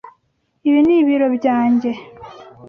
Ibi ni biro byanjye.